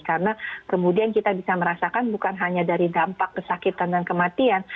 karena kemudian kita bisa merasakan bukan hanya dari dampak kesakitan dan kematian